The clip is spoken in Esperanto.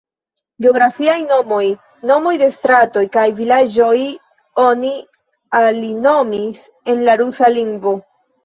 Geografiaj nomoj, nomoj de stratoj kaj vilaĝoj oni alinomis en la rusa lingvo.